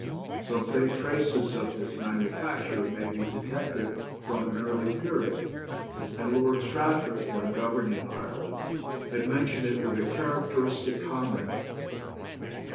Some faint traces of this manufacture may be detected from an early period, and Lord Strafford, when governing Ireland, had mentioned it with a characteristic comment.